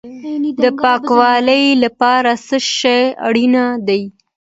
د پاکوالي لپاره څه شی اړین دی؟